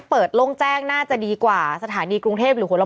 เป็นการกระตุ้นการไหลเวียนของเลือด